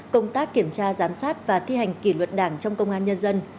công tác kiểm tra giám sát và thi hành kỷ luật đảng trong công an nhân dân